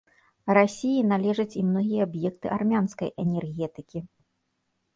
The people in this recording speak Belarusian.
Расіі належаць і многія аб'екты армянскай энергетыкі.